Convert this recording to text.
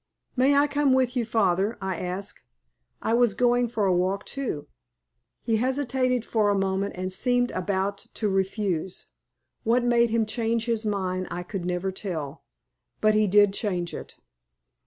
"May I come with you, father?" I asked. "I was going for a walk too." He hesitated for a moment, and seemed about to refuse. What made him change his mind I could never tell. But he did change it.